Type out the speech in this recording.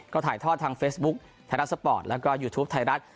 ก็ถ่ายทอดทางเฟซบุ๊คไทยรัฐสปอร์ตแล้วก็ยูทูปไทยรัฐ